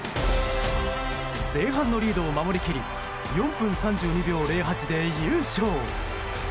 前半のリードを守り切り４分３２秒０８で優勝。